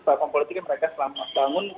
bahwa politik yang mereka selama ini bangun